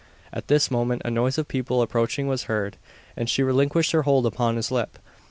At this moment a noise of people approaching was heard, and she relinquished her hold upon his lip.